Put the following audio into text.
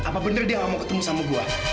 apa bener dia mau ketemu sama gue